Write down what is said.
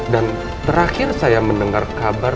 dan terakhir saya mendengar kabar